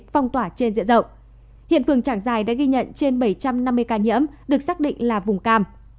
phong tỏa trên diện rộng hiện phường trạng dài đã ghi nhận trên bảy trăm năm mươi ca nhiễm được xác định là vùng cam